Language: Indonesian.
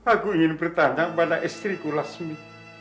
aku ingin bertanjang pada istriku lasmi